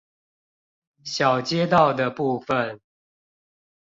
小街道的部分